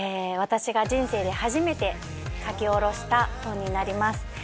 私が人生で初めて書き下ろした本になります。